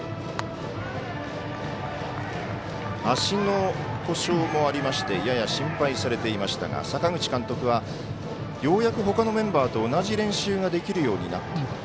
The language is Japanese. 足の故障もありましてやや心配されていましたが阪口監督は、ようやくほかのメンバーと同じ練習ができるようになったと。